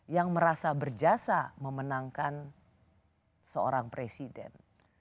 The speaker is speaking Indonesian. yang merasa berjasa memenangkan seorang presiden